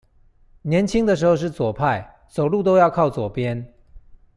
年輕的時候是左派，走路都要靠左邊